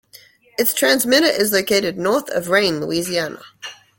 Its transmitter is located north of Rayne, Louisiana.